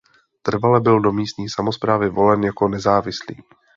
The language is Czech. Trvale byl do místní samosprávy volen jako nezávislý.